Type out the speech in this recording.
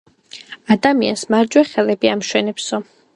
ადამიანს მარჯვე, ხელები ამშვენებსო.